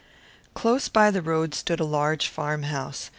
Near the road stood a large farmhouse.